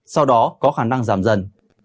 sau đó có khả năng giảm dần